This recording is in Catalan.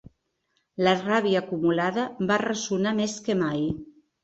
La ràbia acumulada va ressonar més que mai.